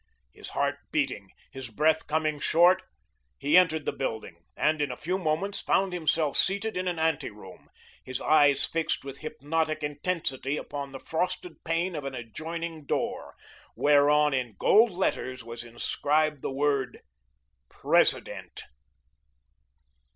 His heart beating, his breath coming short, he entered the building, and in a few moments found himself seated in an ante room, his eyes fixed with hypnotic intensity upon the frosted pane of an adjoining door, whereon in gold letters was inscribed the word, "PRESIDENT."